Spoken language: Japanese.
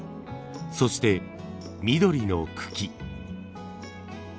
そして緑の茎。